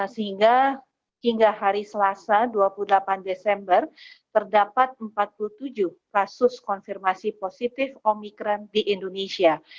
sehingga hingga hari selasa dua puluh delapan desember terdapat empat puluh tujuh kasus konfirmasi positif omikron di indonesia